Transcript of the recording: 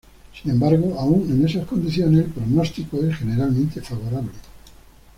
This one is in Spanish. Sin embargo, aún en esas condiciones, el pronóstico es generalmente favorable.